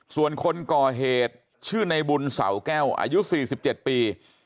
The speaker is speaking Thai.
ส่วนคนก่อเหตุชื่อในบุญเสาแก้วอายุ๔๗ปี